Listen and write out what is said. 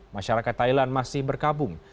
masyarakat thailand masih berkabung